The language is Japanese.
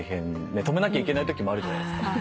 止めなきゃいけないときもあるじゃないですか。